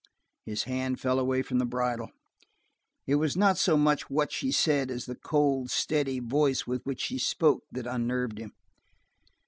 His hand fell away from the bridle. It was not so much what she said as the cold, steady voice with which she spoke that unnerved him.